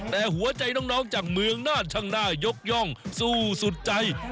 แต่หัวใจน้องจากเมืองน่านช่างหน้ายกย่องสู้สุดใจ